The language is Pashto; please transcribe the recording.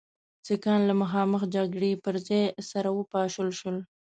سیکهان له مخامخ جګړې پر ځای سره وپاشل شول.